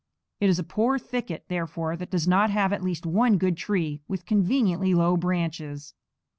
It is a poor thicket, therefore, that does not have at least one good tree with conveniently low branches.